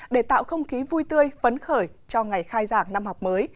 để tạo không khí vui tươi phấn khởi cho ngày khai giảng năm học mới